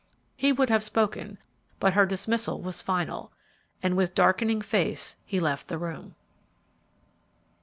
He would have spoken, but her dismissal was final, and with darkening face he left the room.